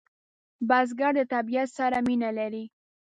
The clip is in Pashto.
بزګر د طبیعت سره مینه لري